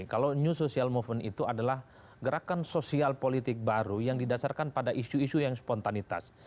kalau new social movement itu adalah gerakan sosial politik baru yang didasarkan pada isu isu yang spontanitas